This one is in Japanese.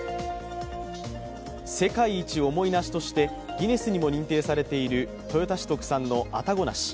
世界一重い梨としてギネスにも認定されている豊田市特産の愛宕梨。